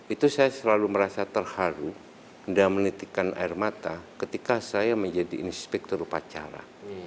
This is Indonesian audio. itu saya selalu merasa terharu dan menitikan air mata ketika saya menjadi inspektor upacara